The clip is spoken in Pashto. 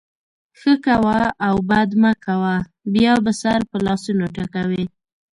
ښه کوه او بد مه کوه؛ بیا به سر په لاسونو ټکوې.